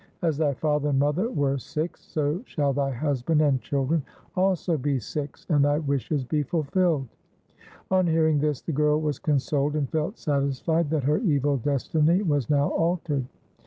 As thy father and mother were Sikhs, so shall thy husband and children also be Sikhs, and thy wishes be fulfilled.' On hearing this the girl was consoled and felt satisfied that her evil destiny was now altered.